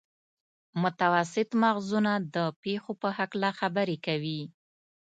متوسط مغزونه د پېښو په هکله خبرې کوي.